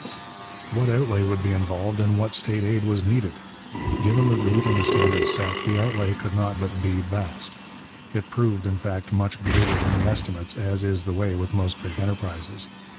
What outlay would be involved and what state aid was needed? Given the route and the standard set, the outlay could not but be vast. It proved, in fact, much greater than the estimates, as is the way with most big enterprises.